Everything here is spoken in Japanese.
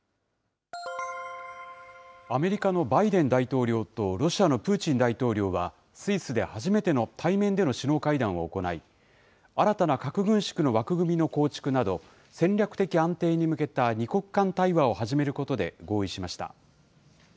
アメリカのバイデン大統領とロシアのプーチン大統領は、スイスで初めての対面での首脳会談を行い、新たな核軍縮の枠組みの構築など、戦略的安定に向けた２国間対話を始めることで合意しました。